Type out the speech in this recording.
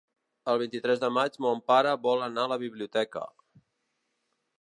El vint-i-tres de maig mon pare vol anar a la biblioteca.